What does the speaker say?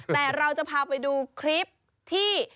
แต่เราจะพาไปดูคลิปที่